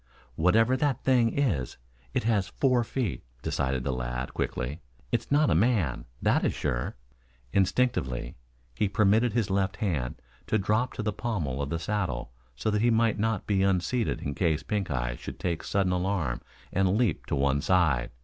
"Whatever that thing is, it has four feet," decided the lad quickly. "It's not a man, that is sure." Instinctively he permitted his left hand to drop to the pommel of the saddle so that he might not be unseated in case Pink eye should take sudden alarm and leap to one side.